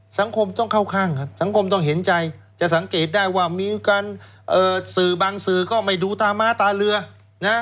สังคมต้องเข้าข้างครับสังคมต้องเห็นใจจะสังเกตได้ว่ามีการเอ่อสื่อบางสื่อก็ไม่ดูตาม้าตาเรือนะ